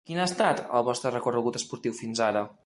Quin ha estat, el vostre recorregut esportiu fins ara?